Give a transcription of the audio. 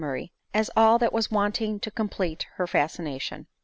65 and Glenmurray, as all that was wanting to complete her fascination.